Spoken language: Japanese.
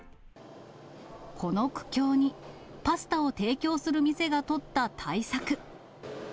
この苦境に、パスタを提供する店が取った対策。